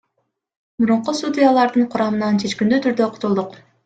Мурунку судьялардын курамынан чечкиндүү түрдө кутулдук.